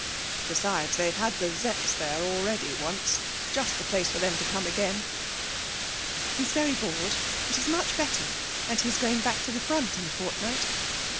Besides, they've had the Zepps there already once. Just the place for them to come again.' 'He's very bored. But he's much better, and he's going back to the front in a fortnight.'